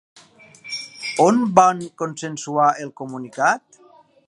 On van consensuar el comunicat?